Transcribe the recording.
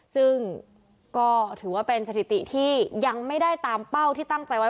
ซึ่งก็ถือว่าเป็นสถิติที่ยังไม่ได้ตามเป้าที่ตั้งใจไว้